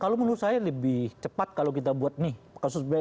kalau menurut saya lebih cepat kalau kita buat katus blbi tiga tahun